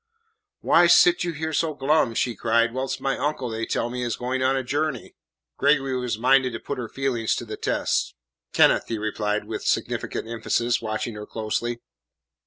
"Why sit you there so glum," she cried, "whilst my uncle, they tell me, is going on a journey?" Gregory was minded to put her feelings to the test. "Kenneth," he replied with significant emphasis, watching her closely.